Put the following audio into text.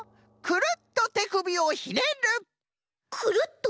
くるっとてくびをひねる？